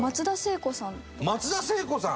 松田聖子さん！